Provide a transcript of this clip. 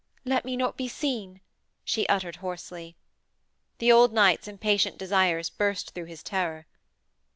'Let me not be seen!' she uttered hoarsely. The old knight's impatient desires burst through his terror.